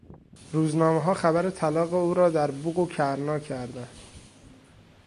روزنامهها خبر طلاق او را در بوق و کرنا کردند.